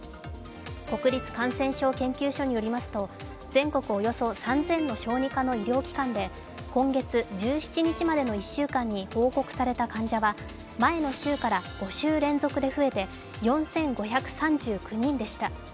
国立感染症研究所によりますと、全国およそ３０００の小児科の医療機関で今月１７日までの１週間に報告された患者は前の週から５週連続で増えて４５３９人でした。